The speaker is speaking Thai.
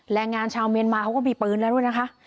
แรงงานชาวเมียนมาเขาก็มีปืนแล้วด้วยนะคะ